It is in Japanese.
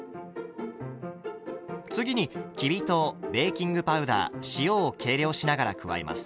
次にきび糖ベーキングパウダー塩を計量しながら加えます。